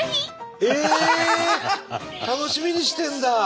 楽しみにしてるんだ！